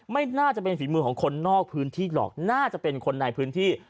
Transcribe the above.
ไม่น่าจะเป็นฝีมือของคนนอกพื้นที่หรอกน่าจะเป็นคนในพื้นที่